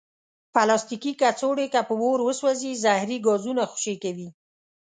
پلاستيکي کڅوړې که په اور وسوځي، زهري ګازونه خوشې کوي.